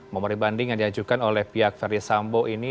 memori banding yang diajukan oleh pihak ferry sambo ini